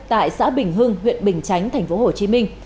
tại xã bình hưng huyện bình chánh tp hcm